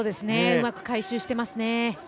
うまく回収してますね。